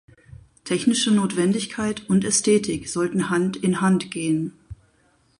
Technische Notwendigkeit und Ästhetik sollten Hand in Hand gehen.